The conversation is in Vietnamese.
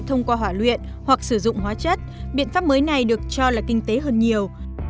thông qua hỏa luyện hoặc sử dụng hóa chất biện pháp mới này được cho là kinh tế hơn nhiều